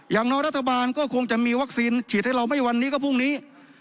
อย่างน้อยรัฐบาลก็คงจะมีวัคซีนฉีดให้เราไม่วันนี้ก็พรุ่งนี้